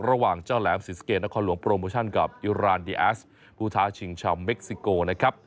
ระหว่างเจ้าแหลมศรีสะเกดนครหลวงโปรโมชั่นกับอิรานดีแอสผู้ท้าชิงชาวเม็กซิโกนะครับ